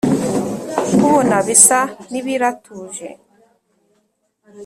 kubona bisa nibiratuje